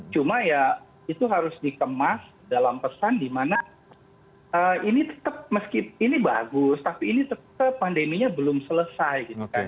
cuma ya itu harus dikemas dalam pesan di mana ini tetap meski ini bagus tapi ini tetap pandeminya belum selesai